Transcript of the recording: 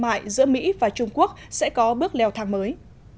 mại giữa mỹ và trung quốc sẽ có bước leo thang mới